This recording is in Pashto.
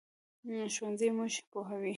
ښوونځی موږ پوهوي